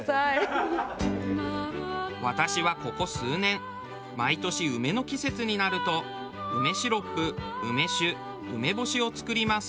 私はここ数年毎年梅の季節になると梅シロップ梅酒梅干しを作ります。